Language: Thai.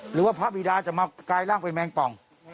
หรือว่าพระบิดาจะมากลายร่างเป็นแมงป่อง